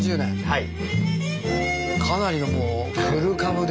はい。